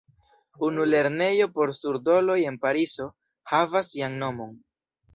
Unu lernejo por surduloj en Parizo havas sian nomon.